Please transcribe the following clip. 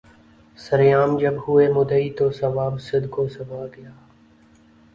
سر عام جب ہوئے مدعی تو ثواب صدق و صفا گیا